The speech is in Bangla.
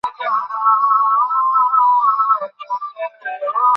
আরও দেখতেন বিভিন্ন বোর্ড থেকে স্ট্যান্ড করা ছাত্রছাত্রীদের নিয়ে প্রচারিত অনুষ্ঠান।